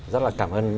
rất là cảm ơn